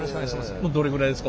もうどれぐらいですか？